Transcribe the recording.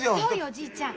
おじいちゃん。